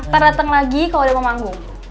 ntar dateng lagi kalau udah mau manggung